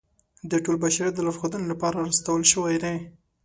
د ټول بشریت د لارښودنې لپاره را استول شوی دی.